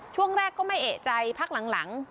ช่วงแรกก็ไม่เอกใจพักหลัง